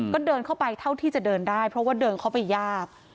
ก็เดินเข้าไปเท่าที่จะเดินได้เพราะว่าเดินเข้าไปยาก